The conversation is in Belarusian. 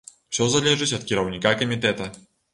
Усё залежыць ад кіраўніка камітэта.